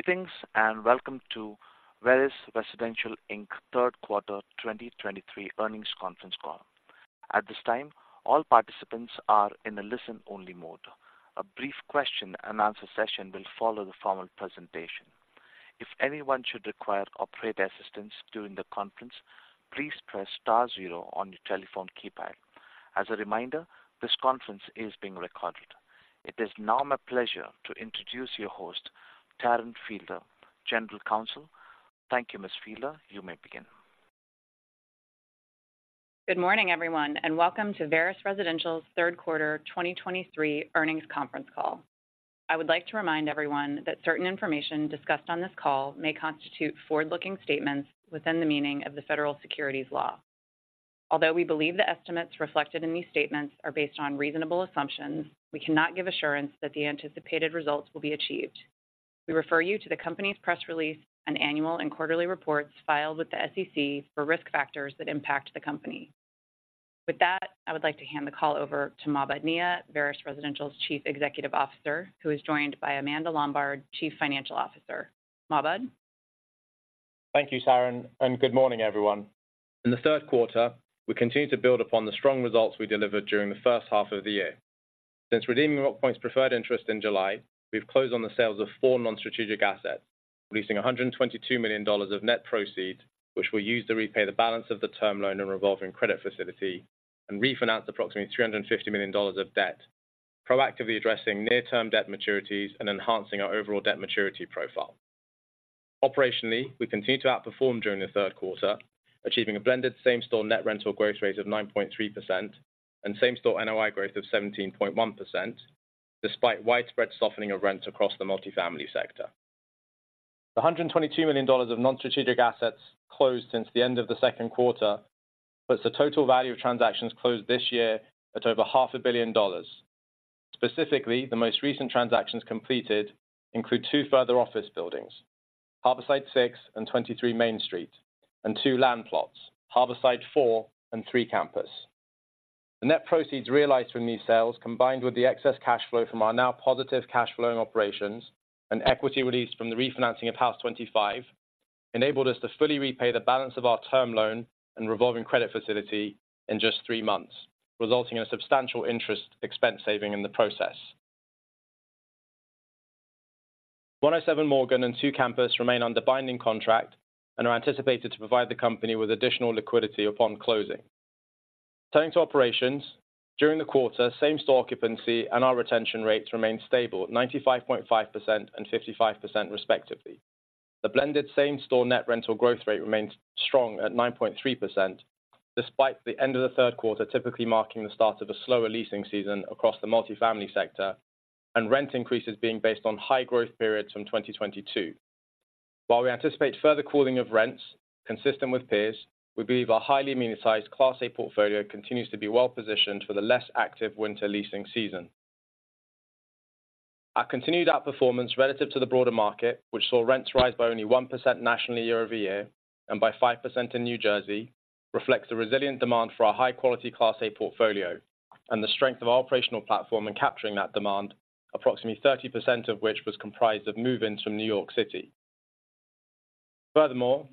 Greetings, and welcome to Veris Residential, Inc.'s third quarter 2023 earnings conference call. At this time, all participants are in a listen-only mode. A brief question-and-answer session will follow the formal presentation. If anyone should require operator assistance during the conference, please press star zero on your telephone keypad. As a reminder, this conference is being recorded. It is now my pleasure to introduce your host, Taryn Fielder, General Counsel. Thank you, Ms. Fielder. You may begin. Good morning, everyone, and welcome to Veris Residential's third quarter 2023 earnings conference call. I would like to remind everyone that certain information discussed on this call may constitute forward-looking statements within the meaning of the federal securities law. Although we believe the estimates reflected in these statements are based on reasonable assumptions, we cannot give assurance that the anticipated results will be achieved. We refer you to the company's press release and annual and quarterly reports filed with the SEC for risk factors that impact the company. With that, I would like to hand the call over to Mahbod Nia, Veris Residential's Chief Executive Officer, who is joined by Amanda Lombard, Chief Financial Officer. Mahbod? Thank you, Taryn, and good morning, everyone. In the third quarter, we continued to build upon the strong results we delivered during the first half of the year. Since redeeming Rockpoint's preferred interest in July, we've closed on the sales of four non-strategic assets, releasing $122 million of net proceeds, which we used to repay the balance of the term loan and revolving credit facility and refinance approximately $350 million of debt, proactively addressing near-term debt maturities and enhancing our overall debt maturity profile. Operationally, we continued to outperform during the third quarter, achieving a blended same-store net rental growth rate of 9.3% and same-store NOI growth of 17.1%, despite widespread softening of rents across the multifamily sector. The $122 million of non-strategic assets closed since the end of the second quarter, puts the total value of transactions closed this year at over $500 million. Specifically, the most recent transactions completed include two further office buildings, Harborside 6 and 23 Main Street, and two land plots, Harborside 4 and 3 Campus. The net proceeds realized from these sales, combined with the excess cash flow from our now positive cash flowing operations and equity released from the refinancing of Haus25, enabled us to fully repay the balance of our term loan and revolving credit facility in just three months, resulting in a substantial interest expense saving in the process. 107 Morgan and 2 Campus remain under binding contract and are anticipated to provide the company with additional liquidity upon closing. Turning to operations, during the quarter, same-store occupancy and our retention rates remained stable at 95.5% and 55%, respectively. The blended same-Store net rental growth rate remains strong at 9.3%, despite the end of the third quarter typically marking the start of a slower leasing season across the multifamily sector and rent increases being based on high growth periods from 2022. While we anticipate further cooling of rents consistent with peers, we believe our highly amenitized Class A portfolio continues to be well positioned for the less active winter leasing season. Our continued outperformance relative to the broader market, which saw rents rise by only 1% nationally YoY and by 5% in New Jersey, reflects the resilient demand for our high-quality Class A portfolio and the strength of our operational platform in capturing that demand, approximately 30% of which was comprised of move-ins from New York City. Furthermore,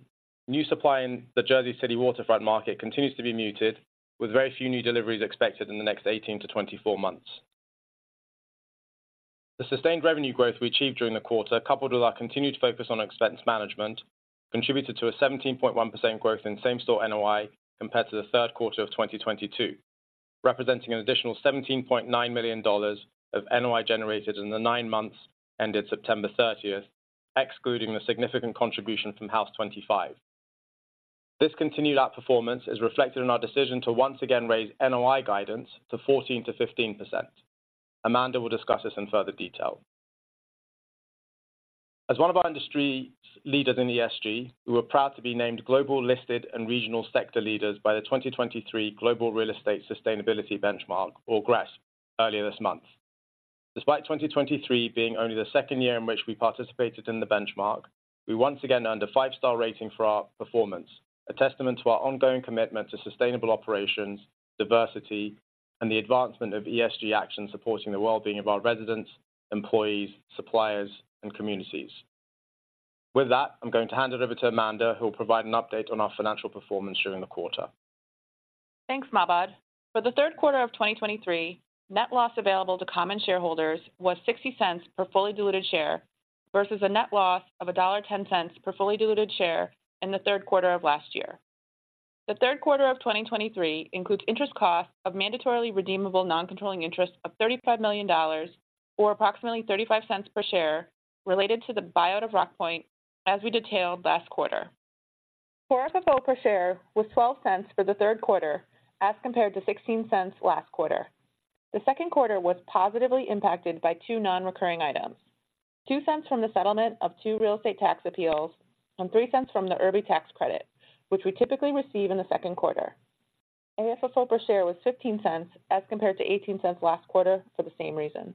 new supply in the Jersey City waterfront market continues to be muted, with very few new deliveries expected in the next 18-24 months. The sustained revenue growth we achieved during the quarter, coupled with our continued focus on expense management, contributed to a 17.1% growth in same-store NOI compared to the third quarter of 2022, representing an additional $17.9 million of NOI generated in the nine months ended September 30th, excluding the significant contribution from Haus25. This continued outperformance is reflected in our decision to once again raise NOI guidance to 14%-15%. Amanda will discuss this in further detail. As one of our industry leaders in ESG, we were proud to be named Global Listed and Regional Sector Leaders by the 2023 Global Real Estate Sustainability Benchmark, or GRESB, earlier this month. Despite 2023 being only the second year in which we participated in the benchmark, we once again earned a five-star rating for our performance, a testament to our ongoing commitment to sustainable operations, diversity, and the advancement of ESG action supporting the well-being of our residents, employees, suppliers, and communities. With that, I'm going to hand it over to Amanda, who will provide an update on our financial performance during the quarter. Thanks, Mahbod. For the third quarter of 2023, net loss available to common shareholders was $0.60 per fully diluted share versus a net loss of $1.10 per fully diluted share in the third quarter of last year. The third quarter of 2023 includes interest costs of mandatorily redeemable non-controlling interest of $35 million, or approximately $0.35 per share, related to the buyout of Rockpoint, as we detailed last quarter. Core FFO per share was $0.12 for the third quarter, as compared to $0.16 last quarter. The second quarter was positively impacted by two non-recurring items: $0.02 from the settlement of two real estate tax appeals and $0.03 from the IRB tax credit, which we typically receive in the second quarter. AFFO per share was $0.15, as compared to $0.18 last quarter for the same reason.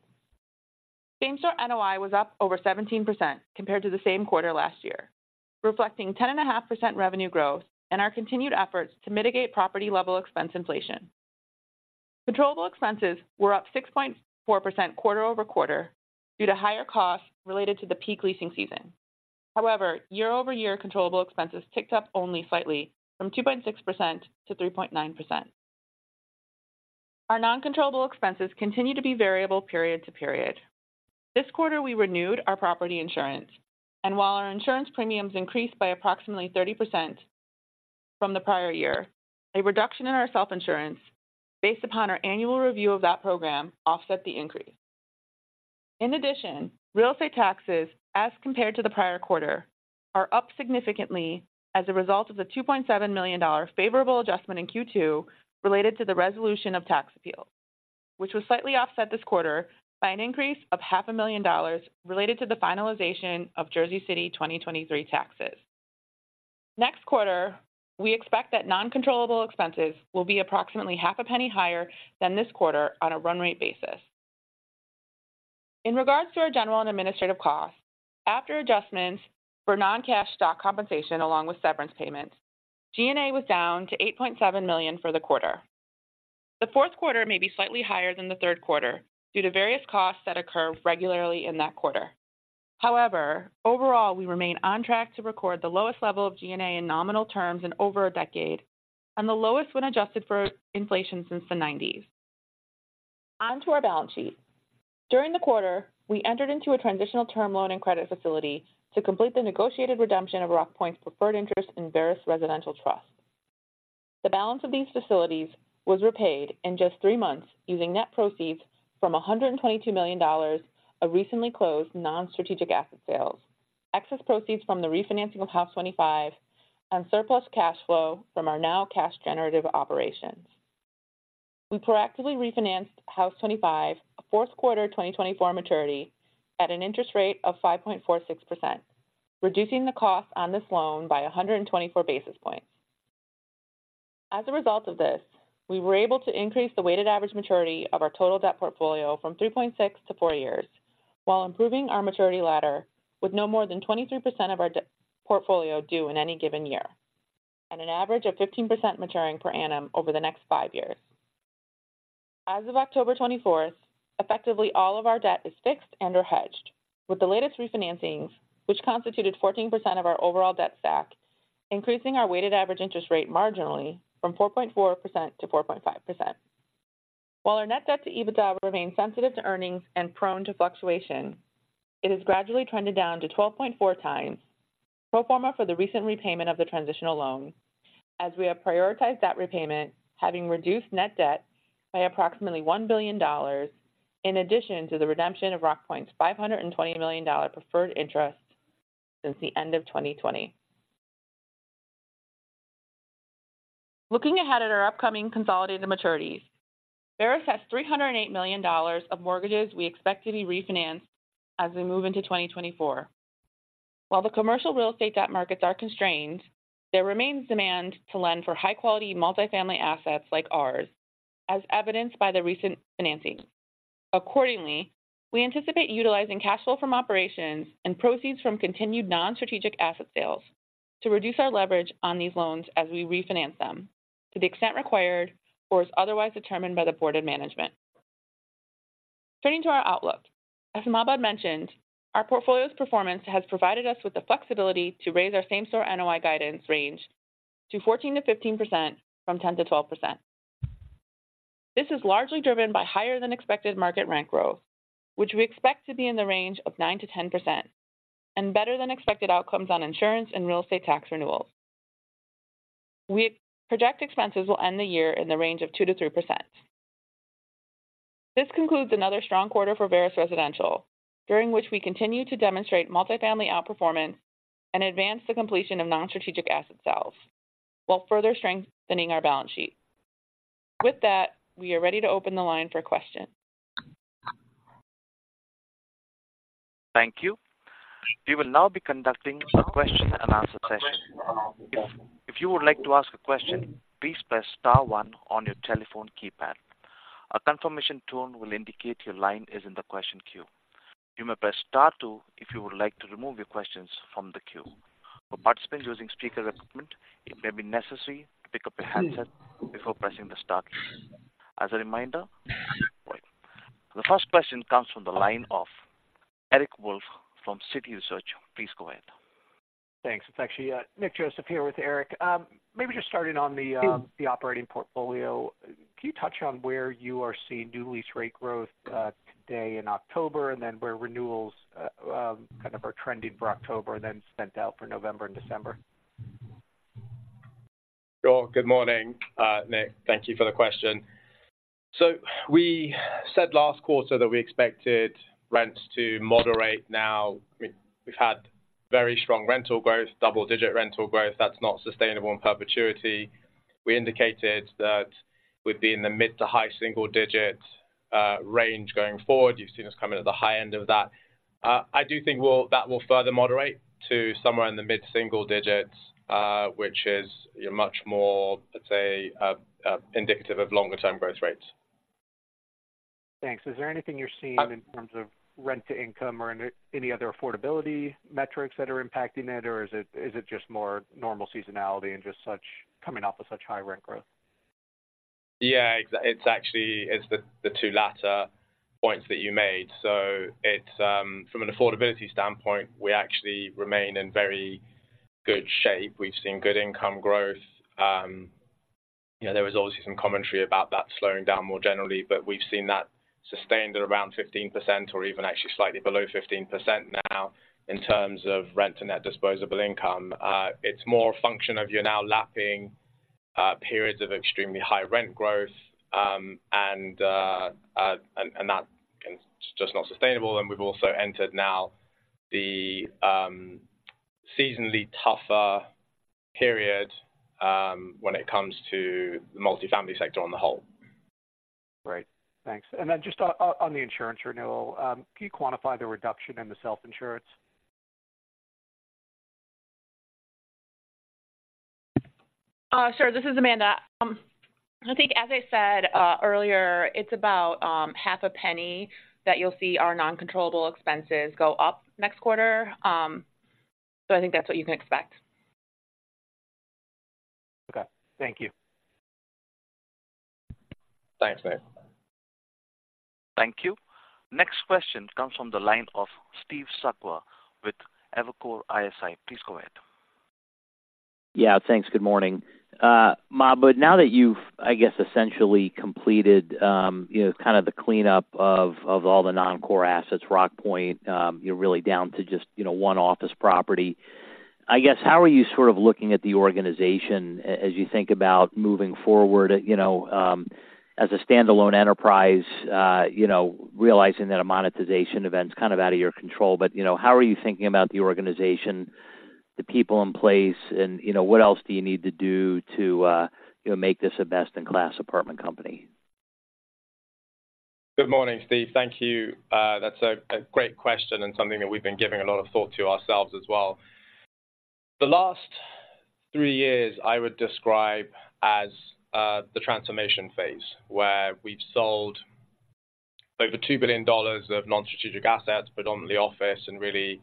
Same-store NOI was up over 17% compared to the same quarter last year, reflecting 10.5% revenue growth and our continued efforts to mitigate property-level expense inflation. Controllable expenses were up 6.4% QoQ due to higher costs related to the peak leasing season. However, YoY controllable expenses ticked up only slightly from 2.6% to 3.9%. Our non-controllable expenses continue to be variable period-to-period. This quarter, we renewed our property insurance, and while our insurance premiums increased by approximately 30% from the prior year, a reduction in our self-insurance based upon our annual review of that program offset the increase. In addition, real estate taxes, as compared to the prior quarter, are up significantly as a result of the $2.7 million favorable adjustment in Q2 related to the resolution of tax appeals, which was slightly offset this quarter by an increase of $500,000 related to the finalization of Jersey City 2023 taxes. Next quarter, we expect that non-controllable expenses will be approximately $0.005 higher than this quarter on a run rate basis. In regards to our general and administrative costs, after adjustments for non-cash stock compensation along with severance payments, G&A was down to $8.7 million for the quarter. The fourth quarter may be slightly higher than the third quarter due to various costs that occur regularly in that quarter. However, overall, we remain on track to record the lowest level of G&A in nominal terms in over a decade and the lowest when adjusted for inflation since the nineties. On to our balance sheet. During the quarter, we entered into a transitional term loan and credit facility to complete the negotiated redemption of Rockpoint's preferred interest in Veris Residential Trust. The balance of these facilities was repaid in just three months, using net proceeds from $122 million of recently closed non-strategic asset sales. Excess proceeds from the refinancing of Haus25 and surplus cash flow from our now cash generative operations. We proactively refinanced Haus25, a fourth quarter 2024 maturity at an interest rate of 5.46%, reducing the cost on this loan by 124 basis points. As a result of this, we were able to increase the weighted average maturity of our total debt portfolio from 3.6-4 years, while improving our maturity ladder with no more than 23% of our debt portfolio due in any given year and an average of 15% maturing per annum over the next 5 years. As of October 24th, effectively all of our debt is fixed and/or hedged, with the latest refinancings, which constituted 14% of our overall debt stack, increasing our weighted average interest rate marginally from 4.4% to 4.5%. While our net debt to EBITDA remains sensitive to earnings and prone to fluctuation, it has gradually trended down to 12.4 times pro forma for the recent repayment of the transitional loan, as we have prioritized debt repayment, having reduced net debt by approximately $1 billion in addition to the redemption of Rockpoint's $520 million preferred interest since the end of 2020. Looking ahead at our upcoming consolidated maturities, Veris has $308 million of mortgages we expect to be refinanced as we move into 2024. While the commercial real estate debt markets are constrained, there remains demand to lend for high-quality multifamily assets like ours, as evidenced by the recent financing. Accordingly, we anticipate utilizing cash flow from operations and proceeds from continued non-strategic asset sales to reduce our leverage on these loans as we refinance them to the extent required or as otherwise determined by the Board of Management. Turning to our outlook. As Mahbod mentioned, our portfolio's performance has provided us with the flexibility to raise our same-store NOI guidance range to 14%-15% from 10%-12%. This is largely driven by higher than expected market rent growth, which we expect to be in the range of 9%-10%, and better than expected outcomes on insurance and real estate tax renewals. We project expenses will end the year in the range of 2%-3%. This concludes another strong quarter for Veris Residential, during which we continue to demonstrate multifamily outperformance and advance the completion of non-strategic asset sales, while further strengthening our balance sheet. With that, we are ready to open the line for questions. Thank you. We will now be conducting a question and answer session. If you would like to ask a question, please press star one on your telephone keypad. A confirmation tone will indicate your line is in the question queue. You may press star two if you would like to remove your questions from the queue. For participants using speaker equipment, it may be necessary to pick up your handset before pressing the star key. As a reminder. The first question comes from the line of Eric Wolfe from Citi Research. Please go ahead. Thanks. It's actually Nick Joseph here with Eric. Maybe just starting on the operating portfolio. Can you touch on where you are seeing new lease rate growth today in October, and then where renewals kind of are trending for October and then spent out for November and December? Sure. Good morning, Nick. Thank you for the question. So we said last quarter that we expected rents to moderate. Now, we've had very strong rental growth, double-digit rental growth. That's not sustainable in perpetuity. We indicated that we'd be in the mid- to high-single-digit range going forward. You've seen us come in at the high end of that. I do think that will further moderate to somewhere in the mid-single digits, which is much more, let's say, indicative of longer-term growth rates. ... Thanks. Is there anything you're seeing in terms of rent to income or any, any other affordability metrics that are impacting it? Or is it, is it just more normal seasonality and just such coming off of such high rent growth? Yeah, it's actually the two latter points that you made. So it's from an affordability standpoint, we actually remain in very good shape. We've seen good income growth. You know, there was obviously some commentary about that slowing down more generally, but we've seen that sustained at around 15% or even actually slightly below 15% now in terms of rent and net disposable income. It's more a function of you're now lapping periods of extremely high rent growth, and that is just not sustainable. And we've also entered now the seasonally tougher period when it comes to the multifamily sector on the whole. Great. Thanks. And then just on the insurance renewal, can you quantify the reduction in the self-insurance? Sure. This is Amanda. I think as I said earlier, it's about $0.005 that you'll see our non-controllable expenses go up next quarter. So I think that's what you can expect. Okay. Thank you. Thanks, Nick. Thank you. Next question comes from the line of Steve Sakwa with Evercore ISI. Please go ahead. Yeah. Thanks. Good morning. Mahbod, now that you've, I guess, essentially completed, you know, kind of the cleanup of, of all the non-core assets, Rockpoint, you're really down to just, you know, one office property. I guess, how are you sort of looking at the organization as you think about moving forward, you know, as a standalone enterprise, you know, realizing that a monetization event's kind of out of your control. But, you know, how are you thinking about the organization, the people in place, and, you know, what else do you need to do to, you know, make this a best-in-class apartment company? Good morning, Steve. Thank you. That's a great question and something that we've been giving a lot of thought to ourselves as well. The last three years, I would describe as the transformation phase, where we've sold over $2 billion of non-strategic assets, predominantly office, and really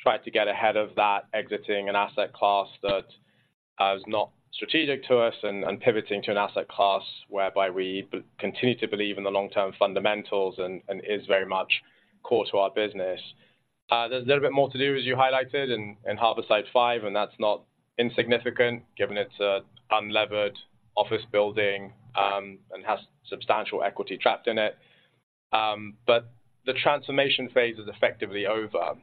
tried to get ahead of that, exiting an asset class that is not strategic to us and pivoting to an asset class whereby we continue to believe in the long-term fundamentals and is very much core to our business. There's a little bit more to do, as you highlighted, in Harborside 5, and that's not insignificant, given it's an unlevered office building and has substantial equity trapped in it. But the transformation phase is effectively over.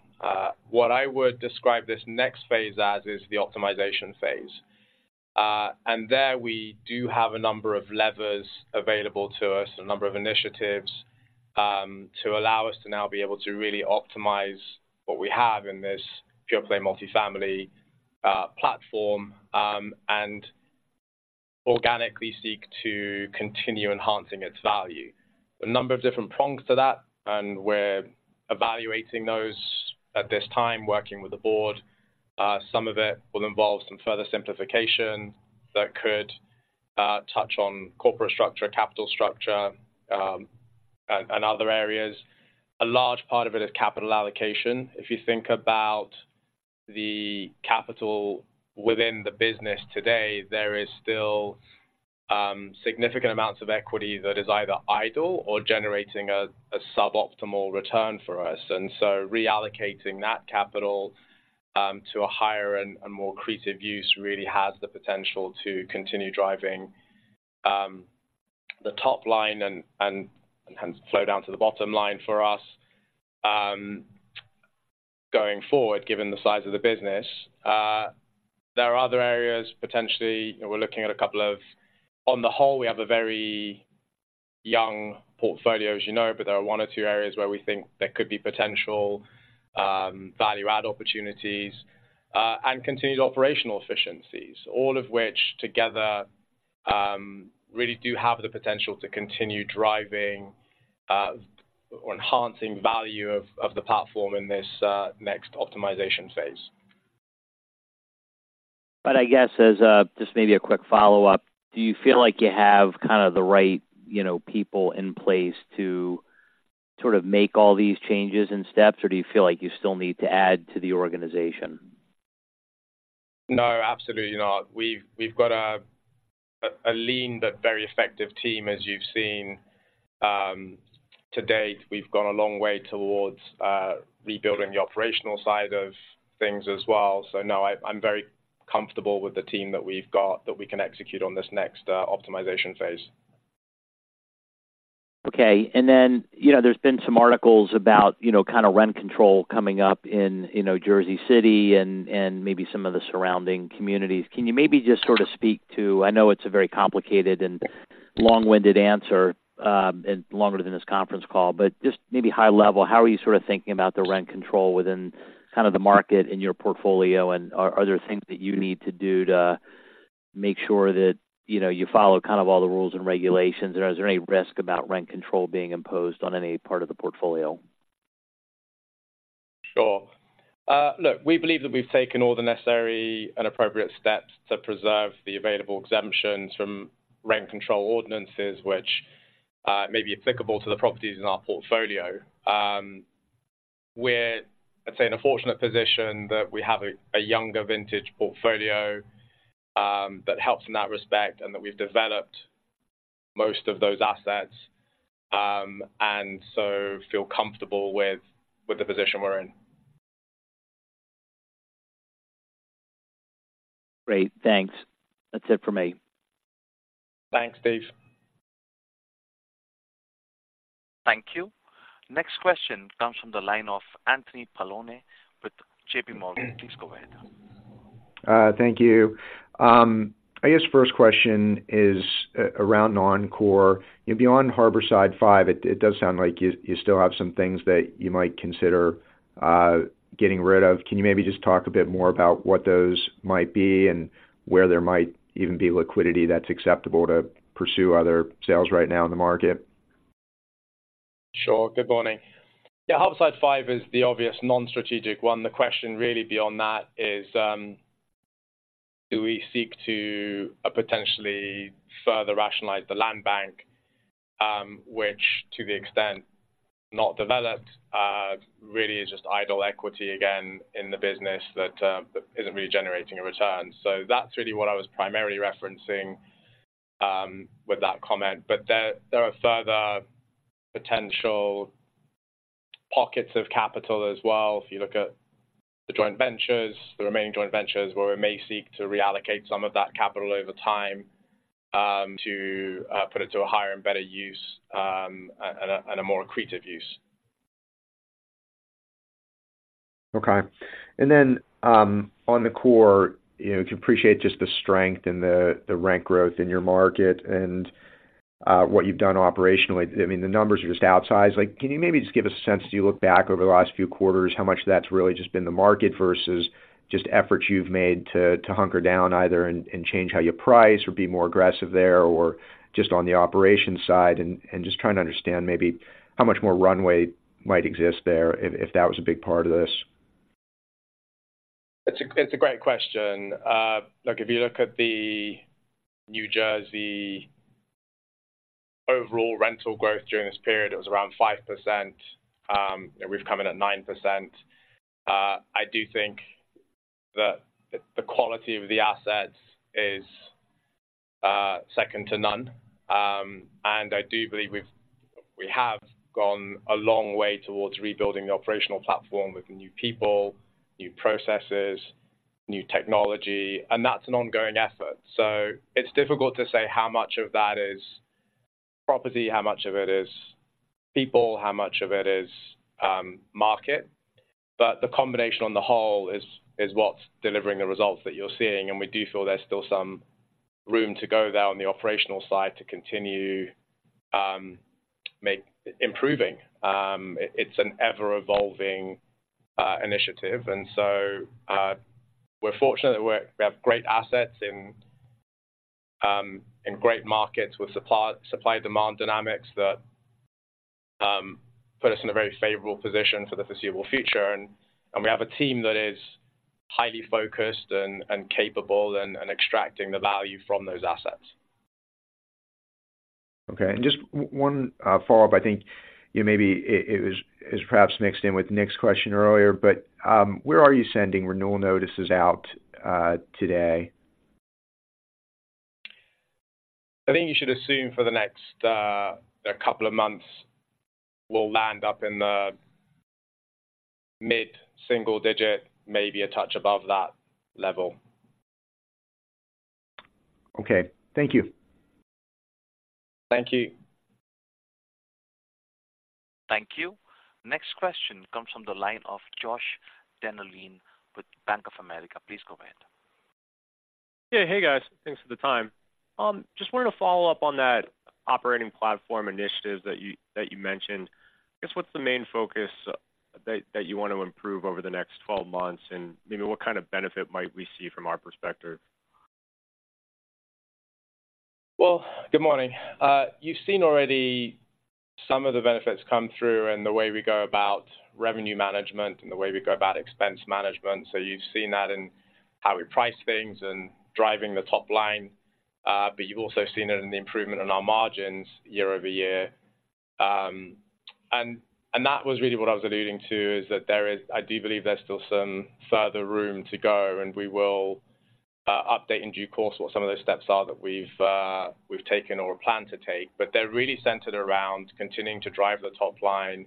What I would describe this next phase as is the optimization phase. And there we do have a number of levers available to us, a number of initiatives, to allow us to now be able to really optimize what we have in this pure play multifamily, platform, and organically seek to continue enhancing its value. There are a number of different prongs to that, and we're evaluating those at this time, working with the board. Some of it will involve some further simplification that could touch on corporate structure, capital structure, and other areas. A large part of it is capital allocation. If you think about the capital within the business today, there is still significant amounts of equity that is either idle or generating a suboptimal return for us. And so reallocating that capital to a higher and more creative use really has the potential to continue driving the top line and flow down to the bottom line for us going forward, given the size of the business. There are other areas potentially we're looking at a couple of. On the whole, we have a very young portfolio, as you know, but there are one or two areas where we think there could be potential value add opportunities and continued operational efficiencies, all of which together really do have the potential to continue driving or enhancing value of the platform in this next optimization phase. But I guess as, just maybe a quick follow-up, do you feel like you have kind of the right, you know, people in place to sort of make all these changes and steps, or do you feel like you still need to add to the organization? No, absolutely not. We've, we've got a, a lean but very effective team, as you've seen. To date, we've gone a long way towards, rebuilding the operational side of things as well. So no, I, I'm very comfortable with the team that we've got, that we can execute on this next, optimization phase. Okay. And then, you know, there's been some articles about, you know, kind of rent control coming up in, you know, Jersey City and maybe some of the surrounding communities. Can you maybe just sort of speak to... I know it's a very complicated and long-winded answer, and longer than this conference call, but just maybe high level, how are you sort of thinking about the rent control within kind of the market in your portfolio? And are there things that you need to do to make sure that, you know, you follow kind of all the rules and regulations? And is there any risk about rent control being imposed on any part of the portfolio?... Sure. Look, we believe that we've taken all the necessary and appropriate steps to preserve the available exemptions from rent control ordinances, which may be applicable to the properties in our portfolio. We're, let's say, in a fortunate position that we have a younger vintage portfolio, that helps in that respect and that we've developed most of those assets. And so feel comfortable with the position we're in. Great, thanks. That's it for me. Thanks, Steve. Thank you. Next question comes from the line of Anthony Paolone with JPMorgan. Please go ahead. Thank you. I guess first question is around non-core. You know, beyond Harborside 5, it does sound like you still have some things that you might consider getting rid of. Can you maybe just talk a bit more about what those might be and where there might even be liquidity that's acceptable to pursue other sales right now in the market? Sure. Good morning. Yeah, Harborside 5 is the obvious non-strategic one. The question really beyond that is, do we seek to, potentially further rationalize the land bank, which to the extent not developed, really is just idle equity again, in the business that, isn't really generating a return. So that's really what I was primarily referencing, with that comment. But there, there are further potential pockets of capital as well. If you look at the joint ventures, the remaining joint ventures, where we may seek to reallocate some of that capital over time, to, put it to a higher and better use, and a, and a more accretive use. Okay. And then, on the core, you know, to appreciate just the strength and the rent growth in your market and what you've done operationally, I mean, the numbers are just outsized. Like, can you maybe just give us a sense, as you look back over the last few quarters, how much of that's really just been the market versus just efforts you've made to hunker down either and change how you price or be more aggressive there, or just on the operations side, and just trying to understand maybe how much more runway might exist there if that was a big part of this? It's a great question. Look, if you look at the New Jersey overall rental growth during this period, it was around 5%. And we've come in at 9%. I do think that the quality of the assets is second to none. And I do believe we've gone a long way towards rebuilding the operational platform with new people, new processes, new technology, and that's an ongoing effort. So it's difficult to say how much of that is property, how much of it is people, how much of it is market. But the combination on the whole is what's delivering the results that you're seeing, and we do feel there's still some room to go there on the operational side to continue improving. It's an ever-evolving initiative, and so we're fortunate that we have great assets in great markets with supply-demand dynamics that put us in a very favorable position for the foreseeable future. And we have a team that is highly focused and capable and extracting the value from those assets. Okay. And just one follow-up. I think, you know, maybe it was perhaps mixed in with Nick's question earlier, but where are you sending renewal notices out today? I think you should assume for the next couple of months, we'll land up in the mid-single digit, maybe a touch above that level. Okay. Thank you. Thank you. Thank you. Next question comes from the line of Josh Dennerlein with Bank of America. Please go ahead. Yeah. Hey, guys. Thanks for the time. Just wanted to follow up on that operating platform initiative that you mentioned. I guess, what's the main focus that you want to improve over the next 12 months? And maybe what kind of benefit might we see from our perspective? Well, good morning. You've seen already some of the benefits come through in the way we go about revenue management and the way we go about expense management. So you've seen that in how we price things and driving the top line, but you've also seen it in the improvement in our margins YoY. And, and that was really what I was alluding to, is that there is... I do believe there's still some further room to go, and we will update in due course what some of those steps are that we've we've taken or plan to take. But they're really centered around continuing to drive the top line,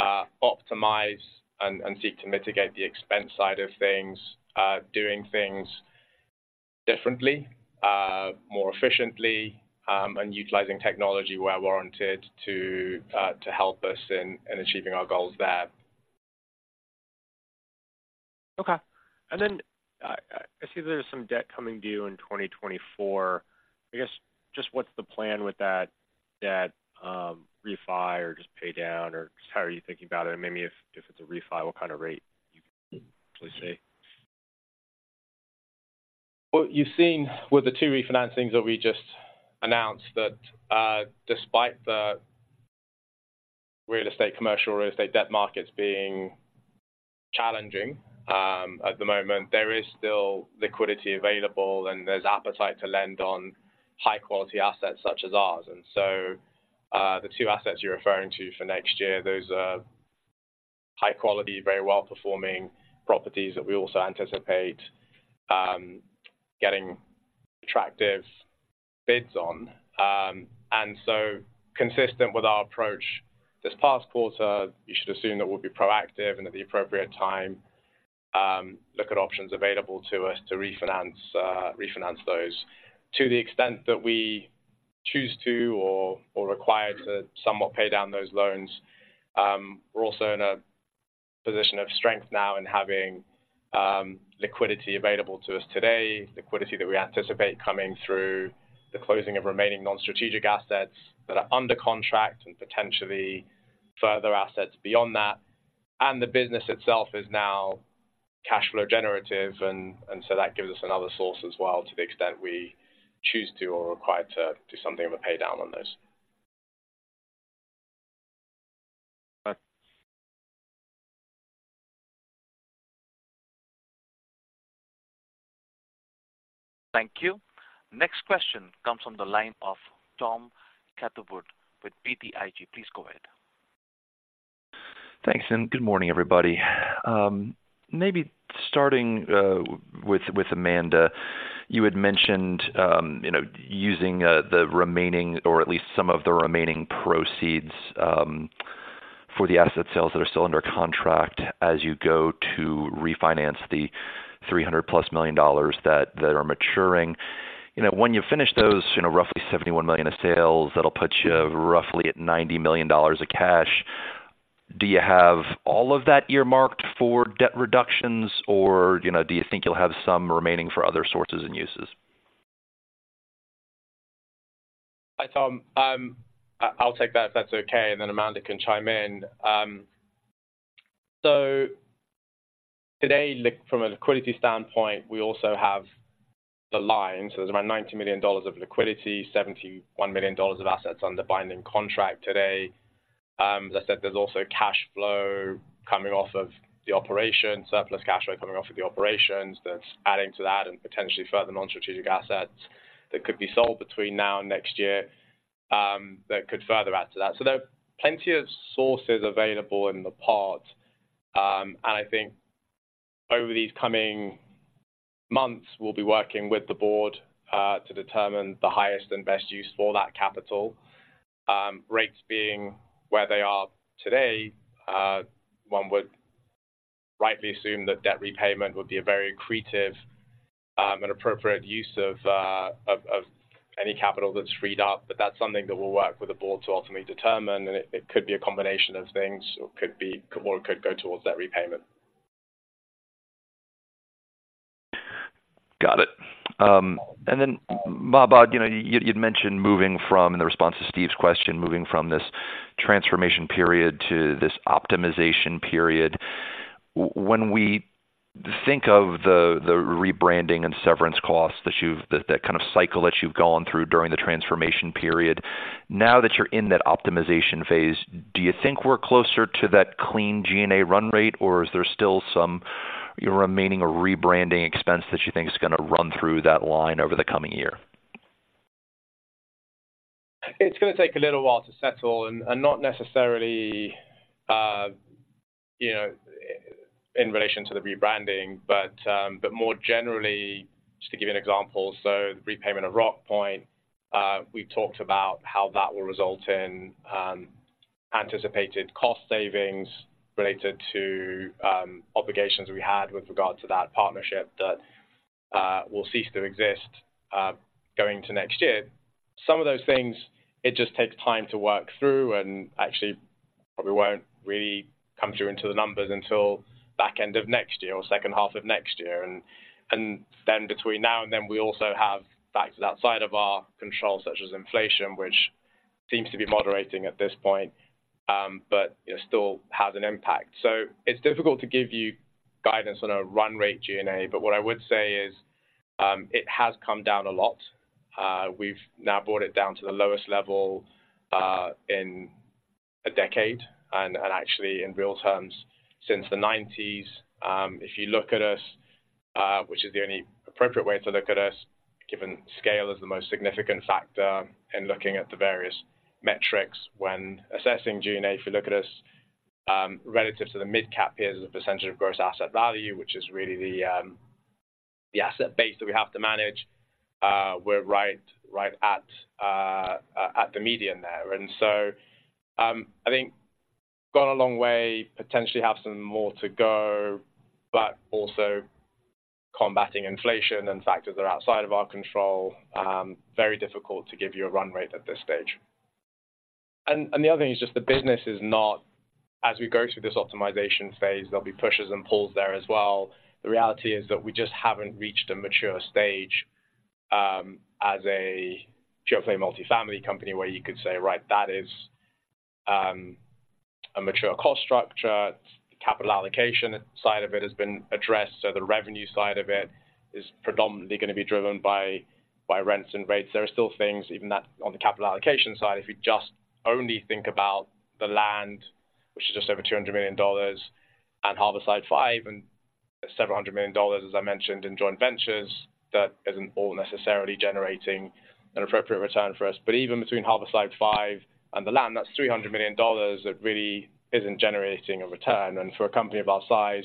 optimize and seek to mitigate the expense side of things, doing things differently, more efficiently, and utilizing technology where warranted to help us in achieving our goals there. Okay. And then, I see there's some debt coming due in 2024. I guess, just what's the plan with that, refi or just pay down, or just how are you thinking about it? And maybe if it's a refi, what kind of rate you can actually say? ... you've seen with the two refinancings that we just announced that, despite the real estate, commercial real estate debt markets being challenging, at the moment, there is still liquidity available, and there's appetite to lend on high quality assets such as ours. And so, the two assets you're referring to for next year, those are high quality, very well performing properties that we also anticipate, getting attractive bids on. And so consistent with our approach this past quarter, you should assume that we'll be proactive and at the appropriate time, look at options available to us to refinance, refinance those. To the extent that we choose to or require to somewhat pay down those loans, we're also in a position of strength now in having liquidity available to us today, liquidity that we anticipate coming through the closing of remaining non-strategic assets that are under contract and potentially further assets beyond that. The business itself is now cash flow generative, and so that gives us another source as well, to the extent we choose to or are required to do something of a paydown on those. Thank you. Next question comes from the line of Tom Catherwood with BTIG. Please go ahead. Thanks, and good morning, everybody. Maybe starting with Amanda, you had mentioned, you know, using the remaining or at least some of the remaining proceeds for the asset sales that are still under contract as you go to refinance the $300+ million that are maturing. You know, when you finish those, you know, roughly $71 million of sales, that'll put you roughly at $90 million of cash. Do you have all of that earmarked for debt reductions or, you know, do you think you'll have some remaining for other sources and uses? Hi, Tom. I'll take that if that's okay, and then Amanda can chime in. So today, from a liquidity standpoint, we also have the line, so there's about $90 million of liquidity, $71 million of assets under binding contract today. As I said, there's also cash flow coming off of the operation, surplus cash flow coming off of the operations that's adding to that, and potentially further non-strategic assets that could be sold between now and next year, that could further add to that. So there are plenty of sources available in the pot. And I think over these coming months, we'll be working with the board, to determine the highest and best use for that capital. Rates being where they are today, one would rightly assume that debt repayment would be a very accretive and appropriate use of any capital that's freed up. But that's something that we'll work with the board to ultimately determine, and it could be a combination of things, or could go towards that repayment. Got it. And then Mahbod, you know, you'd mentioned moving from, in the response to Steve's question, moving from this transformation period to this optimization period. When we think of the rebranding and severance costs, that kind of cycle that you've gone through during the transformation period, now that you're in that optimization phase, do you think we're closer to that clean G&A run rate, or is there still some remaining or rebranding expense that you think is gonna run through that line over the coming year? It's gonna take a little while to settle and not necessarily, you know, in relation to the rebranding, but but more generally, just to give you an example, so the repayment of Rockpoint, we talked about how that will result in anticipated cost savings related to obligations we had with regard to that partnership that will cease to exist going to next year. Some of those things, it just takes time to work through and actually probably won't really come through into the numbers until back end of next year or second half of next year. And then between now and then, we also have factors outside of our control, such as inflation, which seems to be moderating at this point, but it still has an impact. So it's difficult to give you guidance on a run rate G&A, but what I would say is, it has come down a lot. We've now brought it down to the lowest level, in a decade, and, and actually in real terms, since the nineties. If you look at us, which is the only appropriate way to look at us, given scale is the most significant factor in looking at the various metrics when assessing G&A. If you look at us, relative to the mid-cap peers as a percentage of gross asset value, which is really the, the asset base that we have to manage, we're right, right at, at the median there. And so, I think gone a long way, potentially have some more to go, but also combating inflation and factors that are outside of our control, very difficult to give you a run rate at this stage. And, and the other thing is just the business is not as we go through this optimization phase, there'll be pushes and pulls there as well. The reality is that we just haven't reached a mature stage, as a pure-play multifamily company where you could say, "Right, that is a mature cost structure, capital allocation side of it has been addressed, so the revenue side of it is predominantly gonna be driven by, by rents and rates. There are still things even that on the capital allocation side, if you just only think about the land, which is just over $200 million, and Harborside 5 and several hundred million dollars, as I mentioned, in joint ventures, that isn't all necessarily generating an appropriate return for us. But even between Harborside 5 and the land, that's $300 million that really isn't generating a return. And for a company of our size,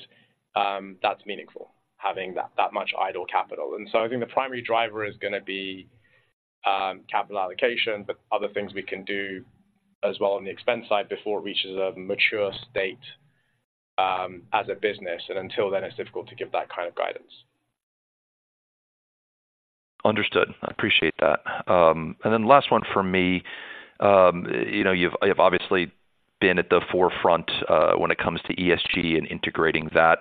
that's meaningful, having that, that much idle capital. And so I think the primary driver is gonna be, capital allocation, but other things we can do as well on the expense side before it reaches a mature state, as a business. And until then, it's difficult to give that kind of guidance. Understood. I appreciate that. And then last one from me. You know, you've, you've obviously been at the forefront when it comes to ESG and integrating that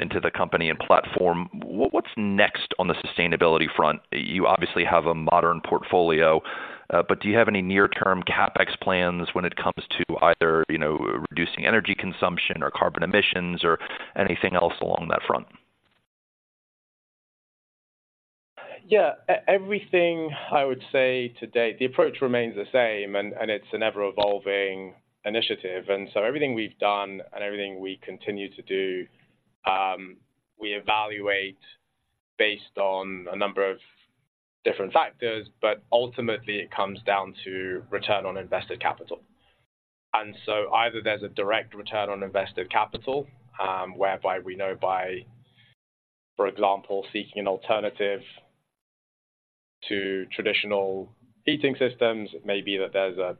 into the company and platform. What, what's next on the sustainability front? You obviously have a modern portfolio, but do you have any near term CapEx plans when it comes to either, you know, reducing energy consumption or carbon emissions or anything else along that front? Yeah, everything I would say today, the approach remains the same, and it's an ever-evolving initiative. And so everything we've done and everything we continue to do, we evaluate based on a number of different factors, but ultimately it comes down to return on invested capital. And so either there's a direct return on invested capital, whereby we know by, for example, seeking an alternative to traditional heating systems, it may be that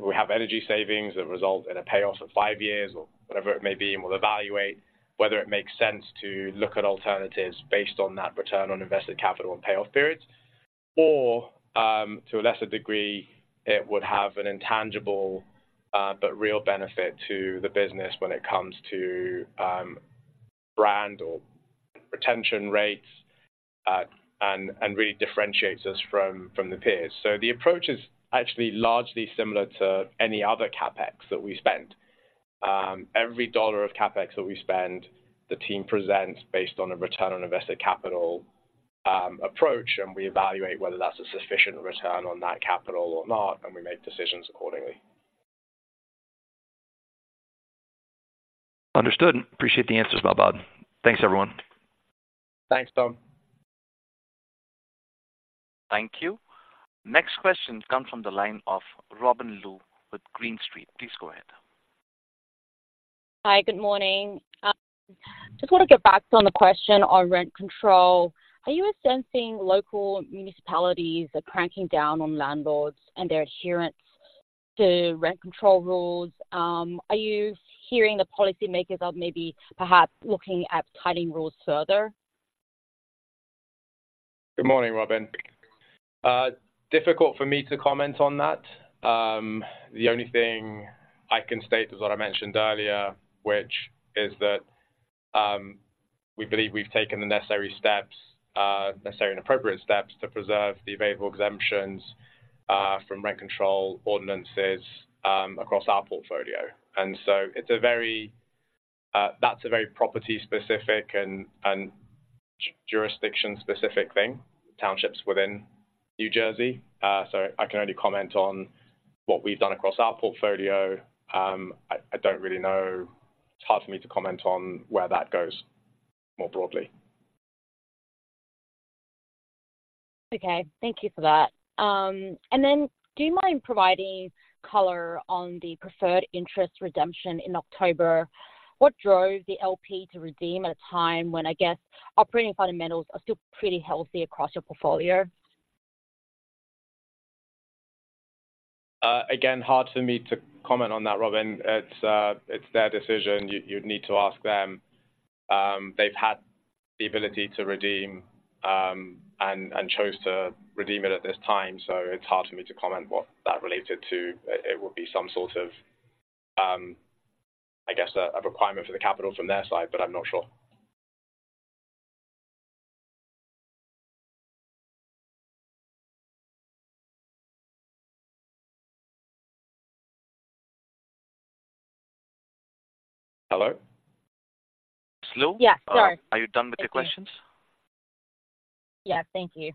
we have energy savings that result in a payoff of five years or whatever it may be, and we'll evaluate whether it makes sense to look at alternatives based on that return on invested capital and payoff periods. Or, to a lesser degree, it would have an intangible, but real benefit to the business when it comes to, brand or retention rates, and really differentiates us from the peers. So the approach is actually largely similar to any other CapEx that we spend. Every dollar of CapEx that we spend, the team presents based on a return on invested capital, approach, and we evaluate whether that's a sufficient return on that capital or not, and we make decisions accordingly. Understood. Appreciate the answers, Mahbod. Thanks, everyone. Thanks, Tom. Thank you. Next question comes from the line of Robyn Luu with Green Street. Please go ahead. Hi, good morning. Just want to get back on the question on rent control. Are you sensing local municipalities are cranking down on landlords and their adherence to rent control rules? Are you hearing the policymakers are maybe perhaps looking at tightening rules further? Good morning, Robyn. Difficult for me to comment on that. The only thing I can state is what I mentioned earlier, which is that we believe we've taken the necessary steps, necessary and appropriate steps to preserve the available exemptions from rent control ordinances across our portfolio. And so it's a very... That's a very property-specific and jurisdiction-specific thing, townships within New Jersey. So I can only comment on what we've done across our portfolio. I don't really know. It's hard for me to comment on where that goes more broadly. Okay, thank you for that. And then do you mind providing color on the preferred interest redemption in October? What drove the LP to redeem at a time when I guess operating fundamentals are still pretty healthy across your portfolio? Again, hard for me to comment on that, Robyn. It's, it's their decision. You'd need to ask them. They've had the ability to redeem and chose to redeem it at this time, so it's hard for me to comment what that related to. It would be some sort of, I guess, a requirement for the capital from their side, but I'm not sure. Hello? Ms. Luu? Yes, sorry. Are you done with your questions? Yes. Thank you.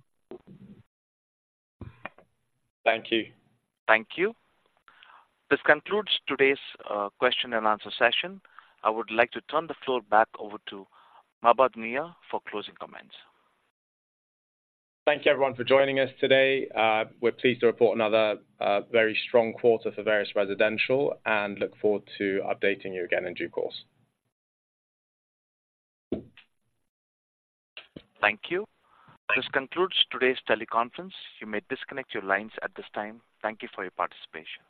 Thank you. Thank you. This concludes today's question and answer session. I would like to turn the floor back over to Mahbod Nia for closing comments. Thank you, everyone, for joining us today. We're pleased to report another, very strong quarter for Veris Residential and look forward to updating you again in due course. Thank you. This concludes today's teleconference. You may disconnect your lines at this time. Thank you for your participation.